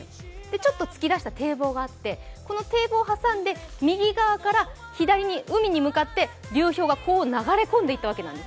ちょっと突き出した堤防があってこの堤防を挟んで右側から左に、海に向かって流氷が流れ込んでいったわけです。